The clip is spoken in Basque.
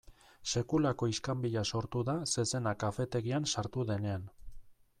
Sekulako iskanbila sortu da zezena kafetegian sartu denean.